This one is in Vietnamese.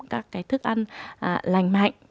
các cái thức ăn lành mạnh